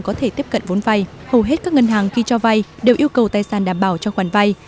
nếu ngân hàng có thể tiếp cận vốn vay hầu hết các ngân hàng khi cho vay đều yêu cầu tài sản đảm bảo cho khoản vay